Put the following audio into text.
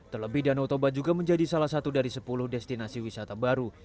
terlebih danau toba juga menjadi salah satu dari sepuluh destinasi wisata baru